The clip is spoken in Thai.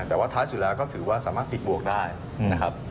แต่ว่าท้ายสุดแล้วก็ถือว่าสามารถปิดบวกได้นะครับ